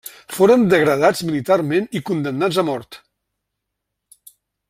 Foren degradats militarment i condemnats a mort.